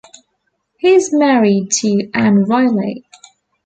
He is married to Anne Riley.